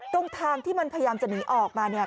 ตรงทางที่มันพยายามจะหนีออกมาเนี่ย